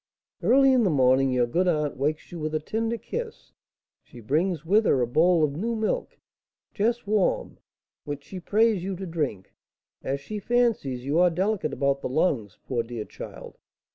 "Early in the morning your good aunt wakes you with a tender kiss; she brings with her a bowl of new milk, just warm, which she prays you to drink, as she fancies you are delicate about the lungs, poor dear child!